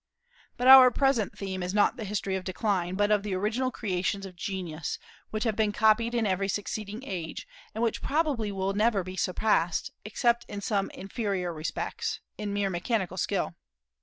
But our present theme is not the history of decline, but of the original creations of genius, which have been copied in every succeeding age, and which probably will never be surpassed, except in some inferior respects, in mere mechanical skill.